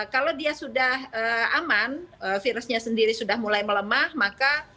kalau dia sudah aman virusnya sendiri sudah mulai melemah maka